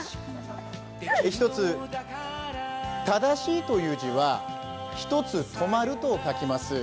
一つ、正しいという字は一つ止まると書きます。